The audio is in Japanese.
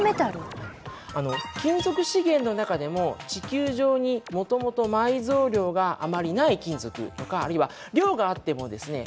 あの金属資源の中でも地球上にもともと埋蔵量があまりない金属とかあるいは量があってもですね